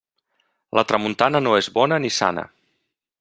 La tramuntana no és bona ni sana.